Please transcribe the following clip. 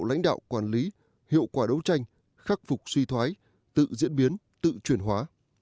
lãnh đạo quản lý hiệu quả đấu tranh khắc phục suy thoái tự diễn biến tự chuyển hóa